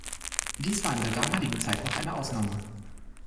Dies war in der damaligen Zeit noch eine Ausnahme.